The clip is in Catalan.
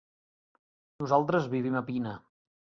Nosaltres vivim a Pina.